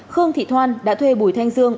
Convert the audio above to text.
khương thị thoan đã thuê bùi thanh dương